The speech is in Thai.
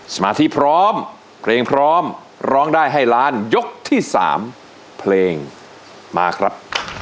สมาธิพร้อมเพลงพร้อมร้องได้ให้ล้านยกที่๓เพลงมาครับ